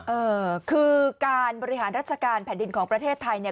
เออคือการบริหารราชการแผ่นดินของประเทศไทยเนี่ย